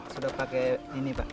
sudah pakai ini pak